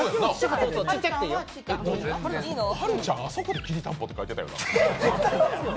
はるちゃん、あそこできりたんぽとか書いてたよな？